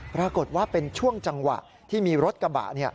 ปรากฏว่าเป็นช่วงจังหวะที่มีรถกระบะ